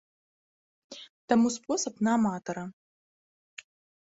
Таму спосаб на аматара.